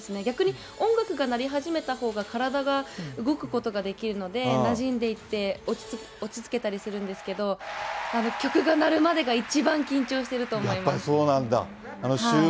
逆に音楽が鳴り始めたほうが体が動くことができるので、なじんでいって落ち着けたりするんですけど、曲が鳴るまでが一番緊張してると思います。